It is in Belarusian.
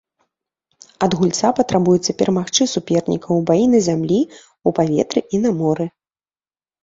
Ад гульца патрабуецца перамагчы суперніка ў баі на зямлі, у паветры і на моры.